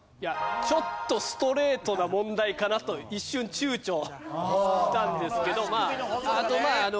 ちょっとストレートな問題かなと一瞬躊躇したんですけど。